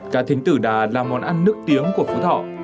cá thính tử đà là món ăn nước tiếng của phú thọ